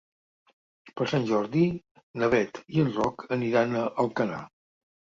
Per Sant Jordi na Beth i en Roc aniran a Alcanar.